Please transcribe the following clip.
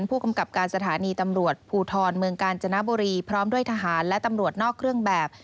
ผู้กำกับการสถานีตำรวจภูทรเมืองกาญจนบุรีพร้อมด้วยทหารและตำรวจนอกเครื่องแบบ